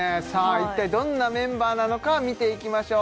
一体どんなメンバーなのか見ていきましょう